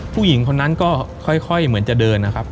ผู้หญิงคนนั้นก็ค่อยเหมือนจะเดินนะครับ